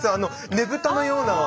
ねぶたのような。